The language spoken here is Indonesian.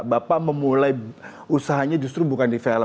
bapak memulai usahanya justru bukan di film